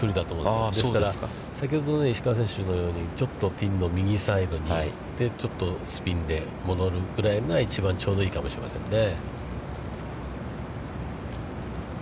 ですから、先ほどの石川選手のようにちょっとピンの右サイドに行ってちょっとスピンで戻るぐらいが、一番ちょうどいいかもしれませんね。